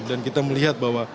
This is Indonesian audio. dan kita berkata bahwa